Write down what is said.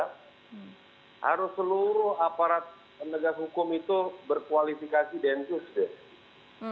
harus seluruh aparat penegak hukum itu berkualifikasi densus deh